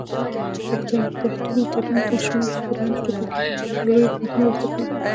پښتو متلونه ماشومانو ته په لنډو ټکو کې لوی حکمتونه ور زده کوي.